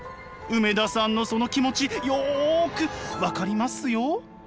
梅田さんのその気持ちよく分かりますよ！